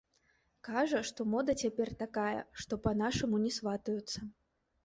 Кажа, што мода цяпер такая, што па-нашаму не сватаюцца.